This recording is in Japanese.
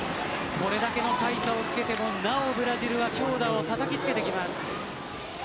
これだけの大差をつけてもなお、ブラジルは強打をたたきつけできます。